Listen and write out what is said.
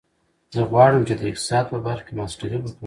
زه غواړم چې د اقتصاد په برخه کې ماسټري وکړم